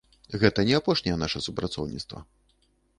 Гэта не апошняе наша супрацоўніцтва.